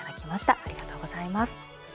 ありがとうございます。